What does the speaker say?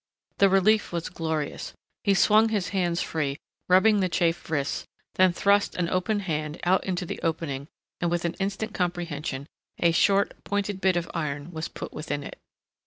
The relief was glorious. He swung his hands free, rubbing the chafed wrists, then thrust an opened hand out into the opening, and with instant comprehension a short, pointed bit of iron was put within it.